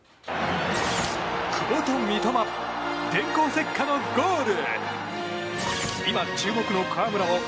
久保と三笘電光石火のゴール！